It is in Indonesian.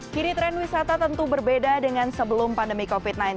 kini tren wisata tentu berbeda dengan sebelum pandemi covid sembilan belas